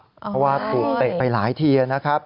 เพราะว่าปลูกเตะไปหลายที